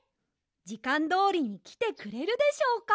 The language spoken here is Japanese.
じかんどおりにきてくれるでしょうか。